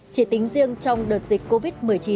chỉ tính riêng trong đợt dịch covid một mươi chín